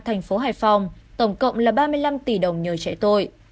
thành phố hải phòng tổng cộng là ba mươi năm tỷ đồng nhờ trẻ tôi